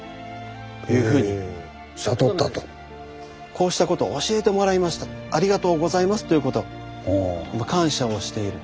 こうしたことを教えてもらいましたありがとうございますということを感謝をしている。